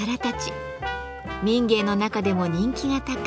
民藝の中でも人気が高い